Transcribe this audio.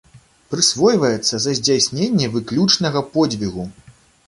Прысвойваецца за здзяйсненне выключнага подзвігу.